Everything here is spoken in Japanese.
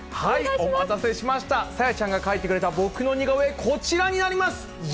お待たせしました、さやちゃんが描いてくれた僕の似顔絵、こちらになります。